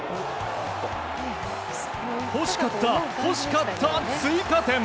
欲しかった、欲しかった追加点！